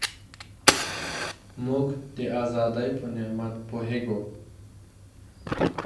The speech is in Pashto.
موږ د ازادۍ په نعمت پوهېږو.